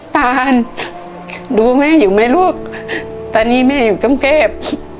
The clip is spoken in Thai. ตานดูแม่อยู่ไหมลูกตอนนี้แม่อยู่กรุงเทพ